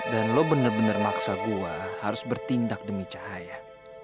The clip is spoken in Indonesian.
dan lo bener bener maksa gue harus bertindak demi cahaya